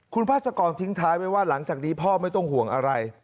คุณพาสกรทิ้งท้ายไว้ว่าหลังจากนี้พ่อไม่ต้องห่วงอะไร